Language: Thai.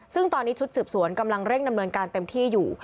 ซึ่งตอนนี้ชุดสืบสวนกำลังเร่งดำเนินการเต็มที่อยู่